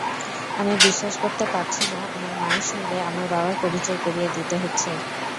আমি বিশ্বাস করতে পারছি না আমার মায়ের সঙ্গে আমার বাবার পরিচয় করিয়ে দিতে হচ্ছে।